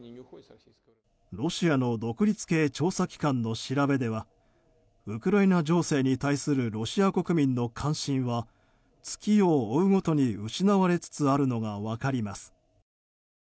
ロシアの独立系調査機関の調べではウクライナ情勢に対するロシア国民の関心は月を追うごとに失われつつあるのが分かります。